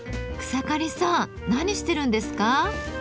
草刈さん何してるんですか？